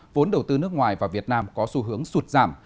vốn đầu tư nước ngoài và việt nam có xu hướng sụt giảm